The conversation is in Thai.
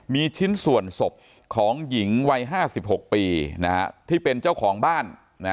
มีชิ้นส่วนศพของหญิงวัย๕๖ปีที่เป็นเจ้าของบ้าน